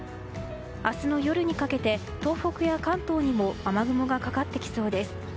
明日の夜にかけて東北や関東にも雨雲がかかってきそうです。